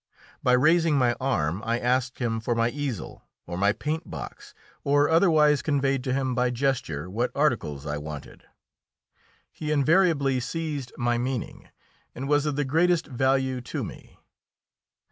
By raising my arm I asked him for my easel, or my paint box, or otherwise conveyed to him by gesture what articles I wanted. He invariably seized my meaning, and was of the greatest value to me.